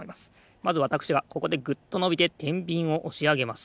まずわたくしがここでグッとのびててんびんをおしあげます。